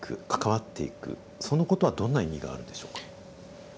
そのことはどんな意味があるんでしょうか。